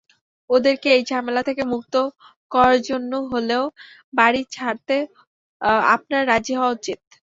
ওদেরকে এই ঝামেলা থেকে মুক্ত করার জন্যে হলেও বাড়ি ছাড়তে আপনার রাজি হওয়া উচিত।